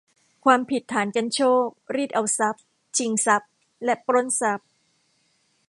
ความผิดฐานกรรโชก รีดเอาทรัพย์ ชิงทรัพย์ และปล้นทรัพย์